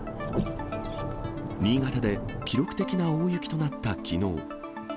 新潟で記録的な大雪となったきのう。